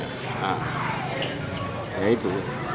nah ya itu